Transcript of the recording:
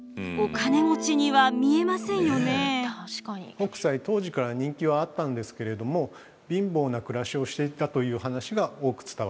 北斎当時から人気はあったんですけれども貧乏な暮らしをしていたという話が多く伝わっています。